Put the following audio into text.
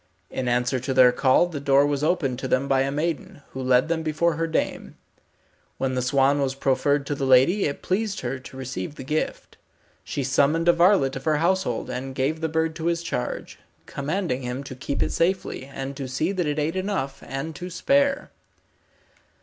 In answer to their call the door was opened to them by a maiden, who led them before her dame. When the swan was proffered to the lady it pleased her to receive the gift. She summoned a varlet of her household and gave the bird to his charge, commanding him to keep it safely, and to see that it ate enough and to spare.